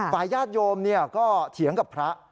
ญาติโยมก็เถียงกับพระ